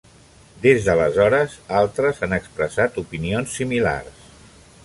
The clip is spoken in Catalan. Des d'aleshores, altres han expressat opinions similars.